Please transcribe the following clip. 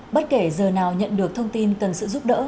bất kể giờ nào nhận được thông tin cần sự giúp đỡ